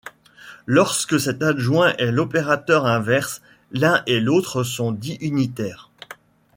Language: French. Lorsque cet adjoint est l'opérateur inverse, l'un et l'autre sont dits unitaires.